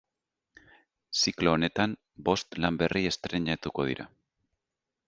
Ziklo honetan bost lan berri estreinatuko dira.